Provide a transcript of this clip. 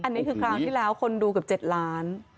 อันนี้คือคราวที่แล้วคนดูเกือบ๗ล้าน